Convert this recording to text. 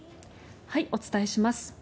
お伝えします。